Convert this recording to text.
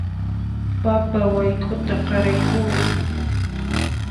Papa wayk'uta qaraykuway